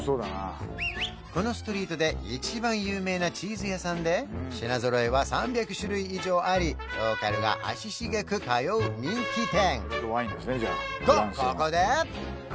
このストリートで一番有名なチーズ屋さんで品揃えは３００種類以上ありローカルが足しげく通う人気店